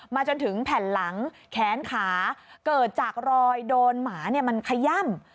จนถึงแผ่นหลังแขนขาเกิดจากรอยโดนหมามันขย่ำ